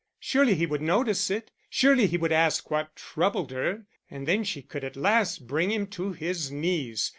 Surely he would notice it, surely he would ask what troubled her, and then she could at last bring him to his knees.